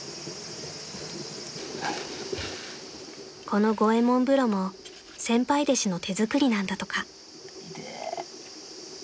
［この五右衛門風呂も先輩弟子の手作りなんだとか］